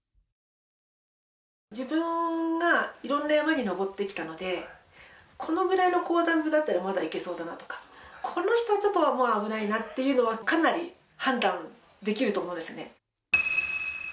自分がいろんな山に登ってきたので、このぐらいの高山病だったらまだいけそうだなとか、この人はちょっと危ないなっていうのは、かなり判断できると思うんですよね。